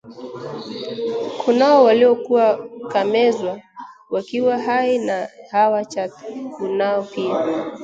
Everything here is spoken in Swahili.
Kunao waliokuwa kamezwa wakiwa hai na hawa chatu, kunao pia